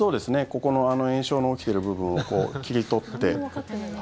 ここの炎症の起きてる部分をこう切り取って。